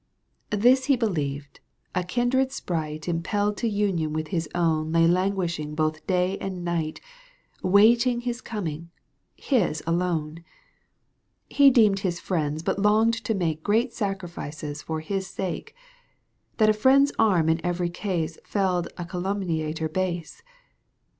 This he believed : a kindred sprite Impelled to union with his own Lay languishing both day and night — Waiting his coming — his alone ! He deemed his friends but longed to make Great sacrifices for his sake ! That a friend's arm in every case Felled a calumniator base